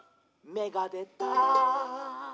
「めがでた！」